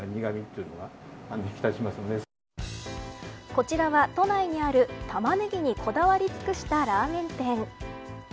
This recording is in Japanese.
こちらは都内にあるタマネギにこだわりつくしたラーメン店。